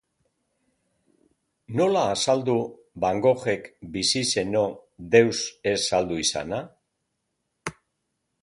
Nola azaldu Van Goghek, bizi zeno, deus ez saldu izana?